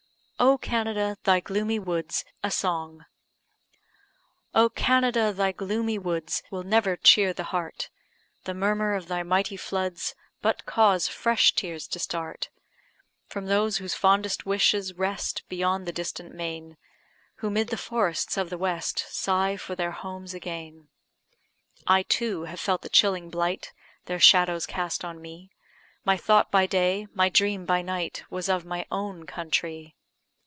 OH CANADA! THY GLOOMY WOODS A song Oh Canada! thy gloomy woods Will never cheer the heart; The murmur of thy mighty floods But cause fresh tears to start From those whose fondest wishes rest Beyond the distant main; Who, 'mid the forests of the West, Sigh for their homes again. I, too, have felt the chilling blight Their shadows cast on me, My thought by day my dream by night Was of my own country.